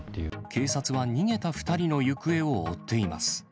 警察は、逃げた２人の行方を追っています。